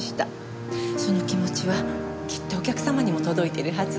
その気持ちはきっとお客様にも届いているはず。